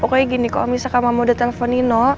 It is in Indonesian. pokoknya gini kalo misalkan mama udah telfon nino